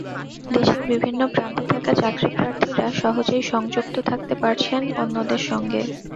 দেশের বিভিন্ন প্রান্তে থাকা চাকরিপ্রার্থীরা সহজেই সংযুক্ত থাকতে পারছেন অন্যদের সঙ্গে।